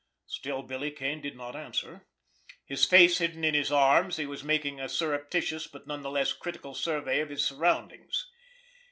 Still Billy Kane did not answer. His face hidden in his arms, he was making a surreptitious, but none the less critical, survey of his surroundings.